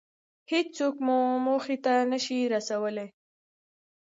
هېڅوک مو موخې ته نشي رسولی.